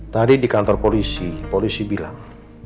tadi di kantor polisi polisi bilang